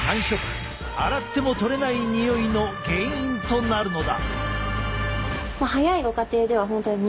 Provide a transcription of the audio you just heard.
洗っても取れないにおいの原因となるのだ。